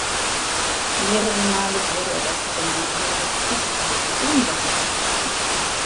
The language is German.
Mehrere Male wurde er deshalb in langwierige Prozesse verwickelt, die ihn jedoch nicht störten.